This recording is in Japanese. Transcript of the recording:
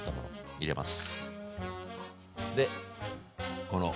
入れます。